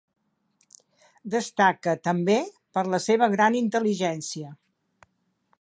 Destaca, també, per la seva gran intel·ligència.